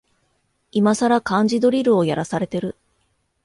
いまさら漢字ドリルをやらされてる